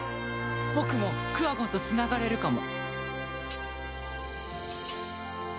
僕もクワゴンと繋がれるかも。